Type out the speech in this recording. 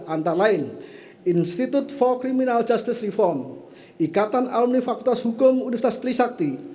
antara lain institute for criminal justice reform ikatan alumni fakultas hukum universitas trisakti